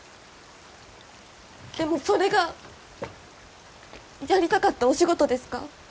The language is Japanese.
でもそれがやりたかったお仕事ですか？